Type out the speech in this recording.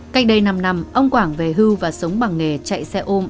cách đây năm năm ông quảng về hưu và sống bằng nghề chạy xe ôm